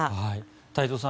太蔵さん